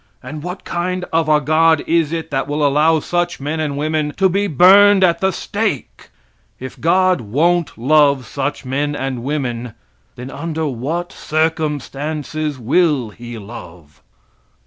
And what kind of a God is it that will allow such men and women to be burned at the stake? If God won't love such men and women, then under what circumstances will he love?